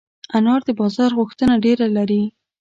انار د بازار غوښتنه ډېره لري.